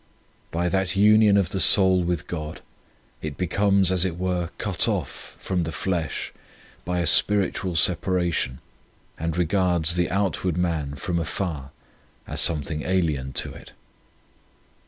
By that union of the soul with God it becomes, as it were, cut off from the flesh by a spiritual separa tion, and regards the outward man from afar as something alien to it.